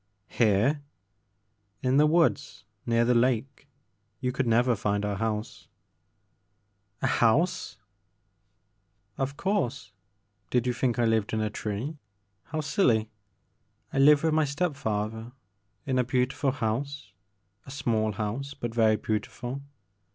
'* Here !"In the woods near the lake. You could never find our house." The Maker of Moans. 49 "A house r' Of course. Did you thinfc I lived in a tree ? How silly. I live with my step father in a beautiftil house, — a small house, but very beauti ful.